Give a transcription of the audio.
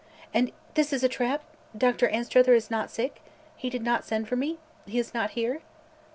"And this is a trap? Doctor Anstruther is not sick? He did not send for me? He is not here?"